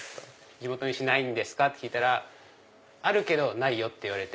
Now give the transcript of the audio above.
地元の石ないですか？と聞いたら「あるけどないよ」って言われて。